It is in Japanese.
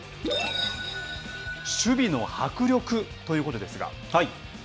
守備の迫力ということですが。